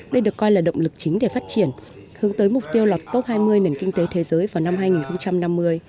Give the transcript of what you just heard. đây được coi là động lực chính để phát triển hướng tới mục tiêu lọt top hai mươi nền kinh tế thế giới vào năm hai nghìn năm mươi